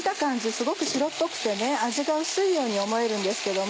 すごく白っぽくて味が薄いように思えるんですけども